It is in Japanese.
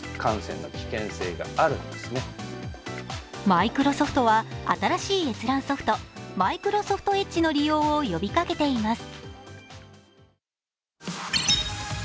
マイクロソフトは新しい閲覧ソフト、マイクロソフトエッジの利用を呼びかけています。